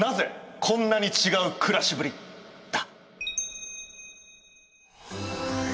こんなに違う暮らしぶり」だ！